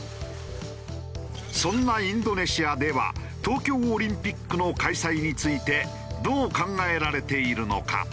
そんなインドネシアでは東京オリンピックの開催についてどう考えられているのか？